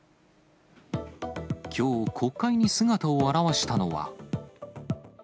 きょう、国会に姿を現したのは。